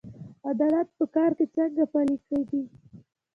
عدالت په کار کې څنګه پلی کیږي؟